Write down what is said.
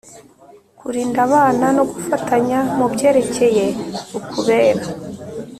Kurinda abana no gufatanya mu byerekeye ukubera